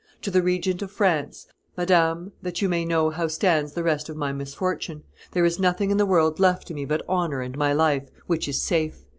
"To the Regent of France: Madame, that you may know how stands the rest of my misfortune: there is nothing in the world left to me but honor and my life, which is safe.